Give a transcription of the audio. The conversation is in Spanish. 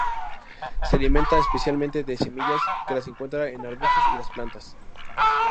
Se alimenta especialmente de semillas que las encuentra en los arbustos y las plantas.